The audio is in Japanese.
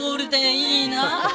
いいなあ。